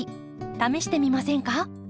試してみませんか？